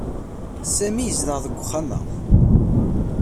Sami yezdeɣ deg uxxam-a.